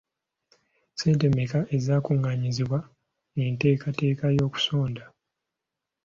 Ssente mmeka ezaakungaanyizibwa enteekateeka y'okusonda?